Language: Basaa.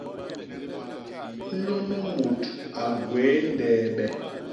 Nunu mut a gwéé ndeebe.